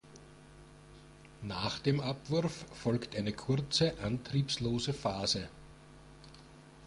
Nach dem Abwurf folgt eine kurze antriebslose Phase.